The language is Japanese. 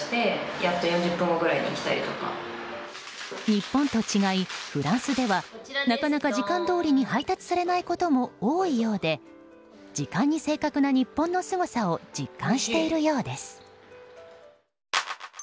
日本と違い、フランスではなかなか時間どおりに配達されないことも多いようで時間に正確な日本のすごさを実感しているようです。